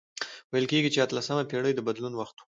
ویل کیږي چې اتلسمه پېړۍ د بدلون وخت و.